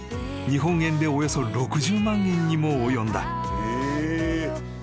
［日本円でおよそ６０万円にも及んだ］